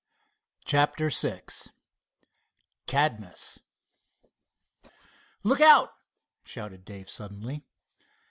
CHAPTER VI CADMUS "Look out!" shouted Dave suddenly.